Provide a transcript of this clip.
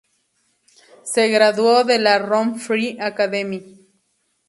Se graduó de la "Rome Free Academy".